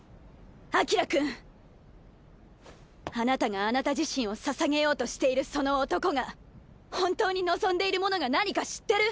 アキラ君あなたがあなた自身をささげようとしているその男が本当に望んでいるものが何か知ってる？